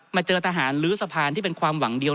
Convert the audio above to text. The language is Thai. เจอทหารลื้อสะพานที่เป็นความหวังเดียว